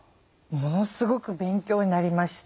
ものすごく勉強になりました。